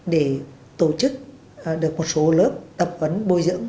để tổ chức được một số lớp tập huấn bồi dưỡng